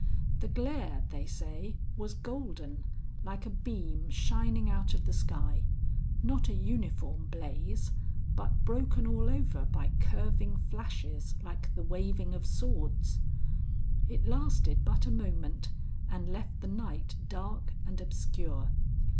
The glare, they say, was golden like a beam shining out of the sky, not a uniform blaze, but broken all over by curving flashes like the waving of swords. It lasted but a moment and left the night dark and obscure.